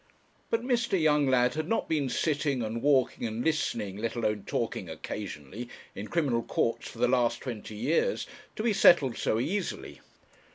But Mr. Younglad had not been sitting, and walking and listening, let alone talking occasionally, in criminal courts, for the last twenty years, to be settled so easily.